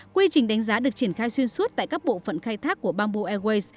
quy trình đánh giá được triển khai xuyên suốt tại các bộ phận khai thác của bamboo airways